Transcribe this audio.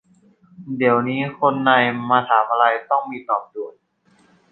เดี๋ยวนี้คนใน มาถามอะไร ต้องมี ตอบด่วน